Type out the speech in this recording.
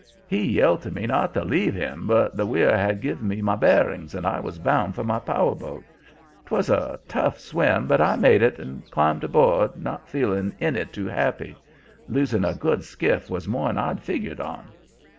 He yelled to me not to leave him, but the weir had give me my bearings, and I was bound for my power boat. 'Twas a tough swim, but I made it, and climbed aboard, not feeling any too happy. Losing a good skiff was more'n I'd figgered on.